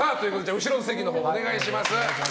後ろの席のほう、お願いします。